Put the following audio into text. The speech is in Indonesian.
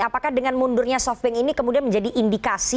apakah dengan mundurnya softbank ini kemudian menjadi indikasi